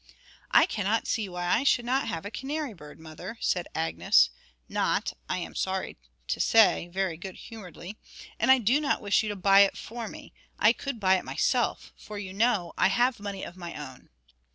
'I cannot see why I should not have a canary bird, mother,' said Agnes, not, I am sorry to say, very good humouredly, 'and I do not wish you to buy it for me. I could buy it myself, for, you know, I have money of my own.'